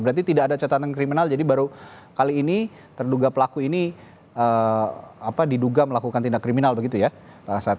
berarti tidak ada catatan kriminal jadi baru kali ini terduga pelaku ini diduga melakukan tindak kriminal begitu ya